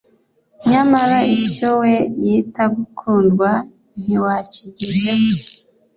nyamara icyo we yita gukundwa ntiwaakigezeho.